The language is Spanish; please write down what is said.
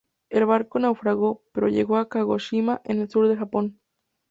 El barco naufragó, pero llegó a Kagoshima en el sur de Japón.